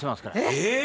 「えっ！？」